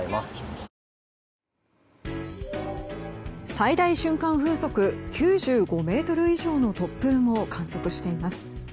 最大瞬間風速９５メートル以上の突風も観測しています。